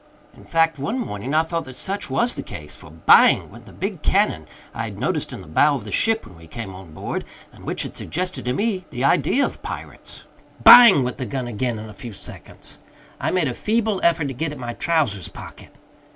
In fact, one morning, I thought that such was the case, for bang! went the big cannon I had noticed in the bow of the ship when we came on board, and which had suggested to me the idea of Pirates. Bang! went the gun again in a few seconds. I made a feeble effort to get at my trousers pocket!